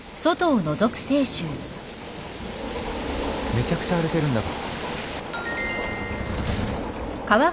めちゃくちゃ荒れてるんだが。